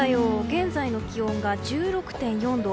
現在の気温が１６．４度。